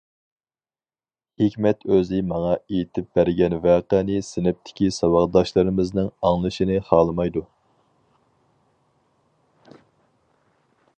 ھېكمەت ئۆزى ماڭا ئېيتىپ بەرگەن ۋەقەنى سىنىپتىكى ساۋاقداشلىرىمىزنىڭ ئاڭلىشىنى خالىمايدۇ.